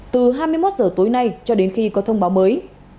từ hai mươi một h tối nay cho đến khi có thông báo mới